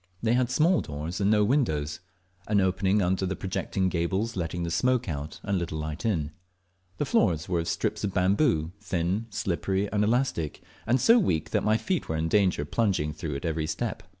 They had small doors and no windows, an opening under the projecting gables letting the smoke out and a little light in. The floors were of strips of bamboo, thin, slippery, and elastic, and so weak that my feet were in danger of plunging through at every step.